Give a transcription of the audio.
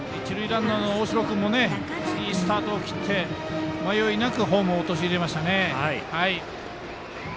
一塁ランナーの大城君もいいスタートを切って迷いなくホームを陥れましたね。